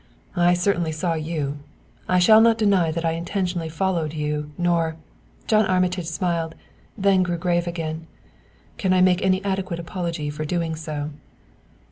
I certainly saw you! I shall not deny that I intentionally followed you, nor" John Armitage smiled, then grew grave again "can I make any adequate apology for doing so."